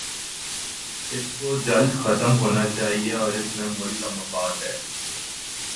اس کو جلد ختم ہونا چاہیے اور اسی میں ملک کا مفاد ہے۔